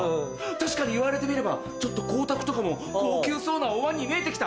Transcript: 確かに言われてみればちょっと光沢とかも高級そうなお椀に見えて来た！